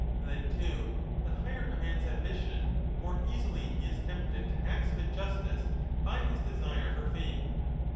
Then, too, the higher a man's ambition, the more easily he is tempted to acts of injustice by his desire for fame.